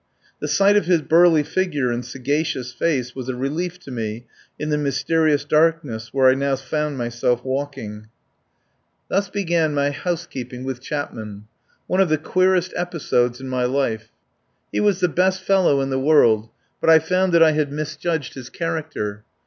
The sight of his burly figure and sagacious face was a relief to me in the mys terious darkness where I now found myself walking. 118 I TAKE A PARTNER Thus begun my housekeeping with Chap man — one of the queerest episodes in my life. He was the best fellow in the world, but I found that I had misjudged his character.